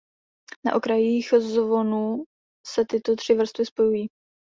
Na okrajích zvonu se tyto tři vrstvy spojují.